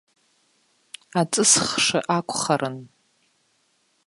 Аҵыс хшы акәхарын.